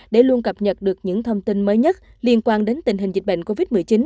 để luôn cập nhật được những thông tin mới nhất liên quan đến tình hình dịch bệnh covid một mươi chín